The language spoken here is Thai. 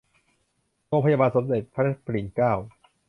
โรงพยาบาลสมเด็จพระปิ่นเกล้า